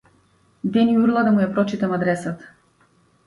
Дени урла да му ја прочитам адресата.